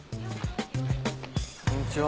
こんにちは。